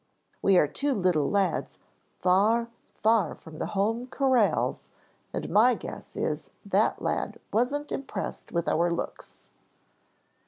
We are two little lads far, far from the home corrals and my guess is that that lad wasn't impressed with our looks."